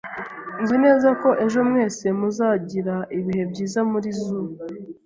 Nzi neza ko ejo mwese muzagira ibihe byiza muri zoo.